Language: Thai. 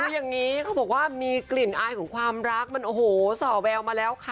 คืออย่างนี้เขาบอกว่ามีกลิ่นอายของความรักมันโอ้โหส่อแววมาแล้วค่ะ